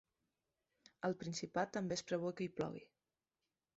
Al Principat també es preveu que hi plogui.